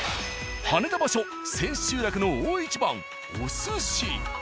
羽田場所千秋楽の大一番お寿司。